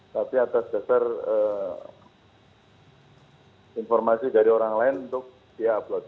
tapi atas dasar informasi dari orang lain untuk dia upload